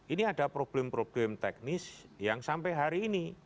ini ada problem problem teknis yang sampai hari ini